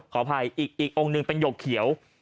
ขออภัยอีกองค์หนึ่งเป็นหยกเขียว